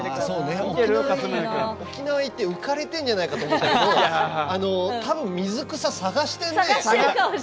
沖縄行って浮かれてるんじゃないかと思ったけど多分、水草、探してんね！